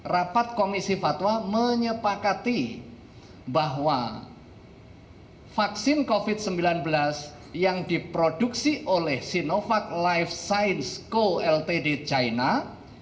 rapat komisi fatwa menyepakati bahwa vaksin covid sembilan belas yang diproduksi oleh sinovac life science co ltd china